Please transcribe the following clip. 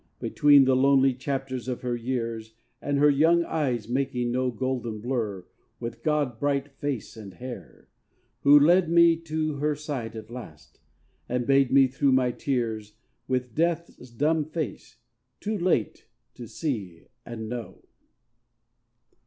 Between the lonely chapters of her years And her young eyes making no golden blur With god bright face and hair; who led me to Her side at last, and bade me, through my tears, With Death's dumb face, too late, to see and know.